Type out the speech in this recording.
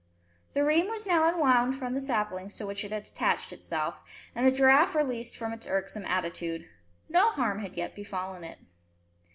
The rheim was now unwound from the saplings to which it had attached itself, and the giraffe released from its irksome attitude. No harm had yet befallen it.